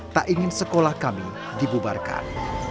tak ingin sekolah kami dibubarkan